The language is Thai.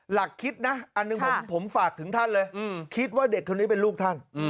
หลักคิดนะอันหนึ่งผมฝากถึงท่านเลยคิดว่าเด็กคนนี้เป็นลูกท่าน